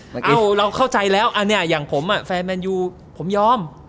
เราเข้าใจแล้วอันนี้อย่างผมแฟนแมนยูผมยอม